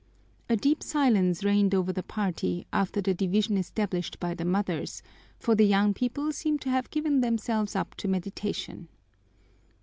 A deep silence reigned over the party after the division established by the mothers, for the young people seemed to have given themselves up to meditation.